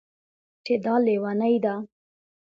چې دا لېونۍ ده